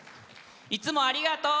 いつもありがとう！